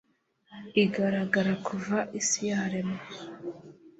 igaragara kuva isi yaremwa